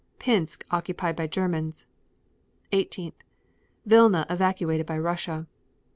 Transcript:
Pinsk occupied by Germans. 18. Vilna evacuated by Russia.